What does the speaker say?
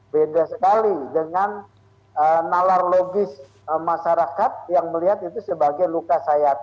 beda sekali dengan nalar logis masyarakat yang melihat itu sebagai luka sayat